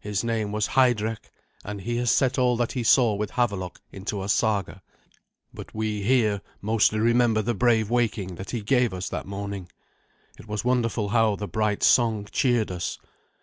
His name was Heidrek, and he has set all that he saw with Havelok into a saga; but we, here, mostly remember the brave waking that he gave us that morning. It was wonderful how the bright song cheered us.